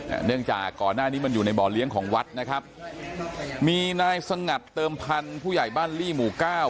เนื่องจากก่อนหน้านี้มันอยู่ในบ่อเลี้ยงของวัดนะครับมีนายสงัดเติมพันธุ์ผู้ใหญ่บ้านลี่หมู่เก้า